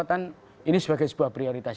catatan ini sebagai sebuah prioritas